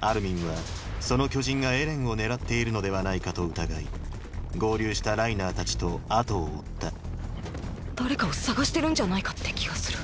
アルミンはその巨人がエレンを狙っているのではないかと疑い合流したライナーたちと後を追った誰かを捜してるんじゃないかって気がする。